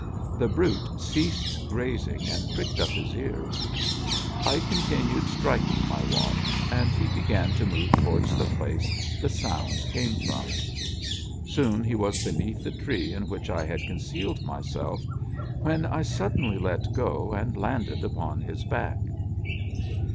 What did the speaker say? The brute ceased grazing and pricked up his ears. I continued striking my watch, and he began to move towards the place the sound came from. Soon he was beneath the tree in which! had concealed myself, when I suddenly let go, and landed upon his back.